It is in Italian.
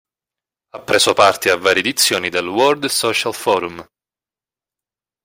Ha preso parte a varie edizioni del World Social Forum.